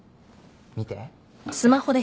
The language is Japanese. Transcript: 見て。